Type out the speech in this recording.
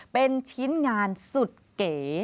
เป็นชิ้นงานสุดเก๋